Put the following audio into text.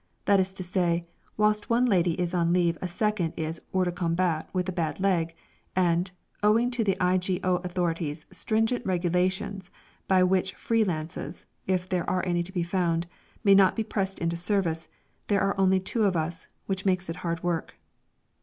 That is to say, whilst one lady is on leave a second is hors de combat with a bad leg, and, owing to the I.G.O. authorities' stringent regulations by which free lances (if there are any to be found) may not be pressed into service, there are only two of us, which makes it hard work.